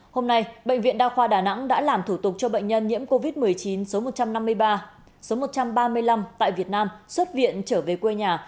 hôm nay bệnh viện đa khoa đà nẵng đã làm thủ tục cho bệnh nhân nhiễm covid một mươi chín số một trăm năm mươi ba số một trăm ba mươi năm tại việt nam xuất viện trở về quê nhà